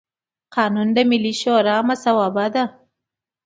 قانون د ملي شورا مصوبه ده.